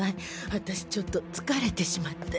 私ちょっと疲れてしまって。